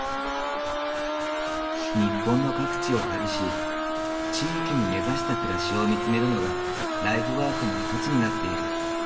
日本の各地を旅し地域に根ざした暮らしを見つめるのがライフワークの一つになっている。